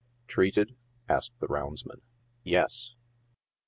" Treated V } asked the roundsman. « Yes."